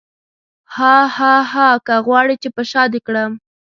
هاهاها که غواړې چې په شاه دې کړم.